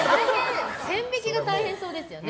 線引きが大変そうですね。